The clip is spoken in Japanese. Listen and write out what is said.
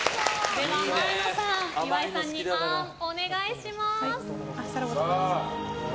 では前野さん岩井さんにあーん、お願いします。